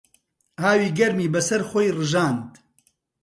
ئاوی گەرمی بەسەر خۆی ڕژاند.